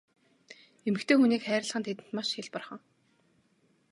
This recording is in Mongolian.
Эмэгтэй хүнийг хайрлах нь тэдэнд маш хялбархан.